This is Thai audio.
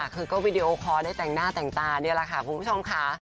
คือก็วีดีโอคอร์ได้แต่งหน้าแต่งตานี่แหละค่ะคุณผู้ชมค่ะ